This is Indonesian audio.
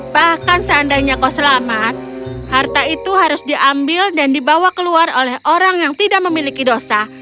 bahkan seandainya kau selamat harta itu harus diambil dan dibawa keluar oleh orang yang tidak memiliki dosa